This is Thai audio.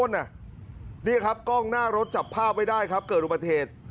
นี่ครับกล้องหน้ารถจับภาพไว้ได้ครับเกิดอุบัติเหตุ